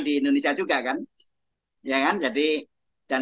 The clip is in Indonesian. di indonesia juga kan